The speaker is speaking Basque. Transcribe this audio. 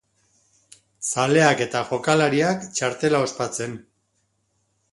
Zaleak eta jokalariak, txartela ospatzen.